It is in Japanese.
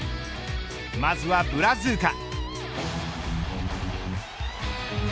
まずはブラズーカ。